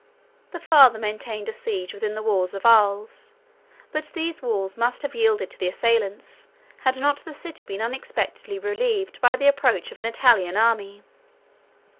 The father maintained a siege within the walls of Arles; but those walls must have yielded to the assailants, had not the city been unexpectedly relieved by the approach of an Italian army.